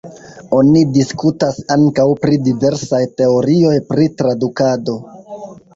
Oni diskutas ankaŭ pri diversaj teorioj pri tradukado.